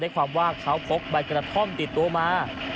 ความว่าเขาพกใบกระท่อมติดตัวมา